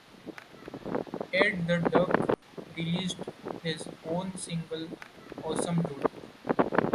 Edd the Duck released his own single, Awesome Dood!